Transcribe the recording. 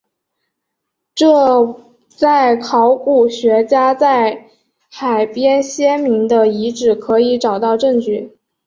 这在考古学家在海边先民的遗迹可以找到证据。